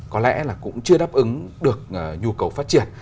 có lẽ là cũng chưa đáp ứng được nhu cầu phát triển